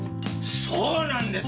そうなんですよ！